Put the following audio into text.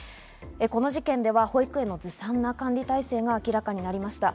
この事件では保育園のずさんな管理体制が明らかになりました。